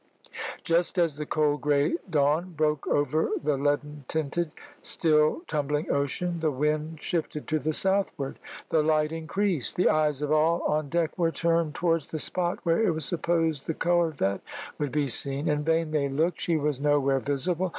Just as the cold grey dawn broke over the leaden tinted, still tumbling ocean, the wind shifted to the southward. The light increased. The eyes of all on deck were turned towards the spot where it was supposed the corvette would be seen. In vain they looked. She was nowhere visible.